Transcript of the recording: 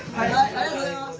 ありがとうございます。